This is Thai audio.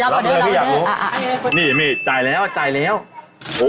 รับเลยพี่อยากรู้